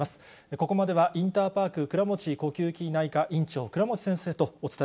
ここまではインターパーク倉持呼吸器内科院長、倉持先生とお伝え